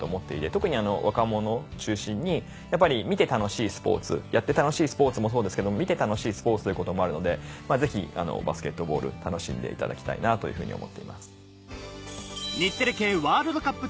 特に若者を中心にやっぱり見て楽しいスポーツやって楽しいスポーツもそうですけども見て楽しスポーツということもあるのでぜひバスケットボール楽しんでいただきたいなというふうに思っています。